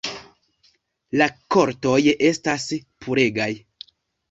La kortoj estas puregaj.